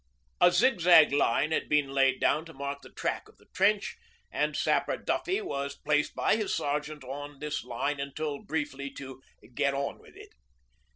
A zigzag line had been laid down to mark the track of the trench, and Sapper Duffy was placed by his sergeant on this line and told briefly to 'get on with it.'